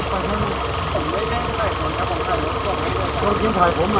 ภายความ